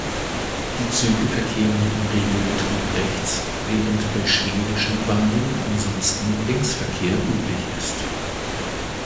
Die Züge verkehren im Regelbetrieb rechts, während bei schwedischen Bahnen ansonsten Linksverkehr üblich ist.